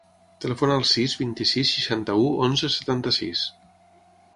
Telefona al sis, vint-i-sis, seixanta-u, onze, setanta-sis.